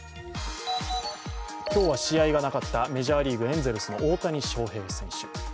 今日は試合がなかったメジャーリーグ、エンゼルスの大谷翔平選手